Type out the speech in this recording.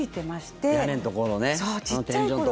屋根のところね、天井のところ。